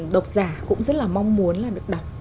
độc giả cũng rất là mong muốn là được đọc